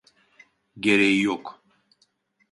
Gereği yok.